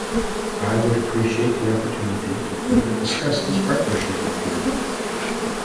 I would appreciate the opportunity to further discuss this partnership with you.